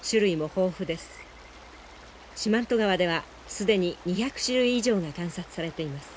四万十川では既に２００種類以上が観察されています。